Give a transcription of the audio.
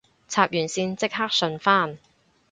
插完線即刻順返